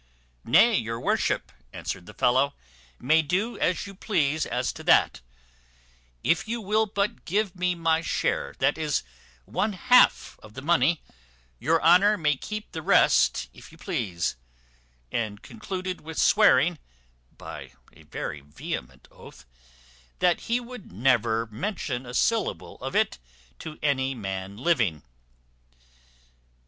"Nay, your worship," answered the fellow, "may do as you please as to that; if you will but give me my share, that is, one half of the money, your honour may keep the rest yourself if you please;" and concluded with swearing, by a very vehement oath, "that he would never mention a syllable of it to any man living."